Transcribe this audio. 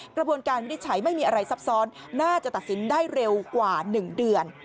กระบวนการวิจัยไม่มีอะไรซับซ้อนน่าจะตัดสินได้เร็วกว่าหนึ่งเดือน